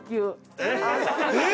◆えっ！？